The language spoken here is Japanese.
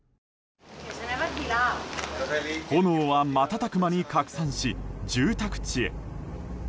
炎は瞬く間に拡散し、住宅地へ。